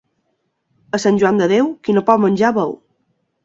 A Sant Joan de Déu, qui no pot menjar, beu.